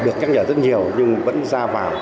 được nhắc nhở rất nhiều nhưng vẫn ra vào